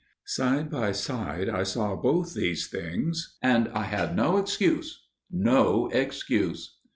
Side by side I saw both these things, and I had no excuse––no excuse.